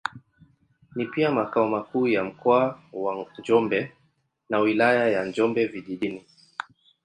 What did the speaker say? Ni pia makao makuu ya Mkoa wa Njombe na Wilaya ya Njombe Vijijini.